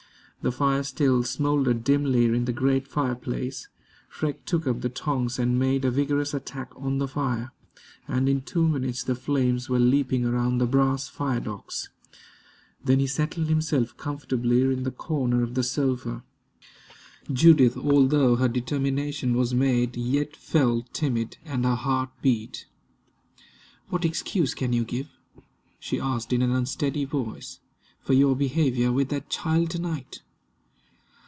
The fire still smoldered dimly in the great fireplace. Freke took up the tongs and made a vigorous attack on the fire, and in two minutes the flames were leaping around the brass firedogs. Then he settled himself comfortably in the corner of the sofa. Judith, although her determination was made, yet felt timid, and her heart beat. "What excuse can you give," she asked in an unsteady voice, "for your behavior with that child to night?"